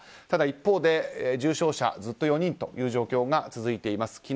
ただ一方で重症者ずっと４人という状況が続いています。